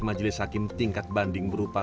majelis hakim tingkat banding berupa